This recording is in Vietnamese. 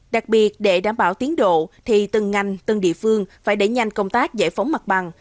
đặc biệt để đảm bảo tiến độ thì từng ngành từng địa phương phải đẩy nhanh công tác giải phóng mặt bằng